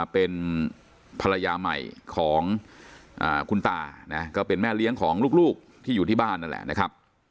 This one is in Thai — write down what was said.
เป็นภรรยาใหม่ของคุณตานะก็เป็นแม่เลี้ยงของลูกที่อยู่ที่บ้านนั่นแหละนะครับ